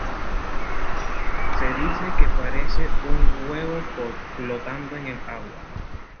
Se dice que parece un huevo flotando en el agua.